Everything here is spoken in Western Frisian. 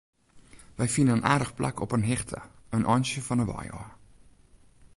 Wy fine in aardich plak op in hichte, in eintsje fan 'e wei ôf.